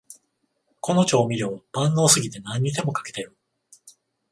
この調味料、万能すぎて何にでもかけてる